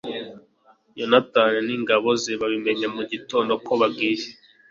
yonatani n'ingabo ze babimenya mu gitondo ko bagiye